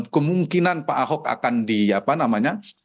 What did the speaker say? kemungkinan pak ahok akan di apa namanya